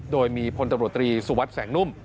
โดยมีพลตำรวจตรีสุวัสดิแสงนุ่ม